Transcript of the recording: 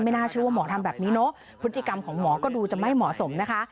น่าเชื่อว่าหมอทำแบบนี้เนอะพฤติกรรมของหมอก็ดูจะไม่เหมาะสมนะคะ